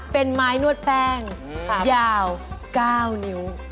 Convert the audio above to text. เป็นไม้นวดแป้งยาว๙นิ้ว